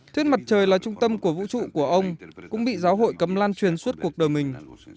thuyết mặt trời là trung tâm của vũ trụ của ông cũng bị giáo hội cấm lan truyền suốt cuộc đời mình